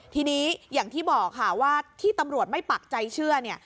ทีนี้อย่างที่บอกค่ะว่าที่ตำรวจไม่ปักใจเชื่อเนี่ย